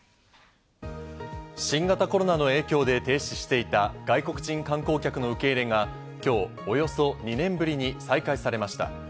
新型コロナの影響で停止していた外国人観光客の受け入れが、今日およそ２年ぶりに再開されました。